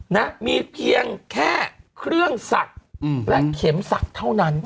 นะมีเพียงแค่เครื่องศักดิ์และเข็มศักดิ์เท่านั้น